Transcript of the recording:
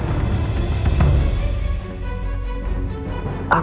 anak itu gak bersalah